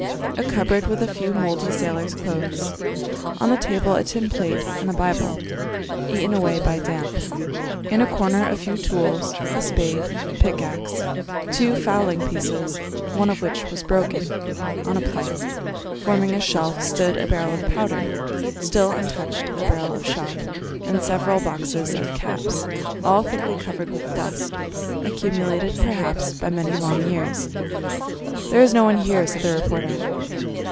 A cupboard, with a few mouldy sailor's clothes; on the table a tin plate and a Bible, eaten away by damp; in a corner a few tools, a spade, pickaxe, two fowling pieces, one of which was broken; on a plank, forming a shelf, stood a barrel of powder, still untouched, a barrel of shot, and several boxes of caps, all thickly covered with dust, accumulated, perhaps, by many long years. "There is no one here," said the reporter.